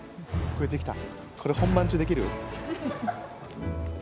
これ本番中できる？